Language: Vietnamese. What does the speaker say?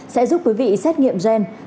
sẽ giúp quý vị xét nghiệm gen